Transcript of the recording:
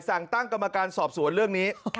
สั่งตั้งกรรมการสอบสวนเรื่องนี้